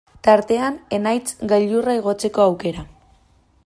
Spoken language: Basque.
Tartean Enaitz gailurra igotzeko aukera.